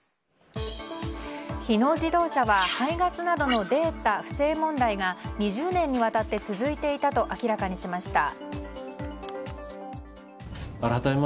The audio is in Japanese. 日野自動車は排ガスなどのデータ不正問題が２０年にわたって続いていたと明らかにしました。